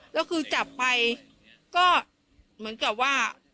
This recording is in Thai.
แล้วคือจับไปก็เหมือนกับว่า